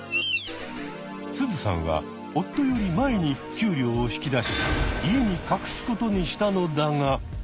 スズさんは夫より前に給料を引き出し家に隠すことにしたのだが。